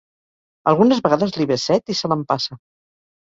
Algunes vegades li ve set i se l'empassa.